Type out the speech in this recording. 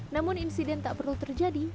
namun insiden tak perlu terjadi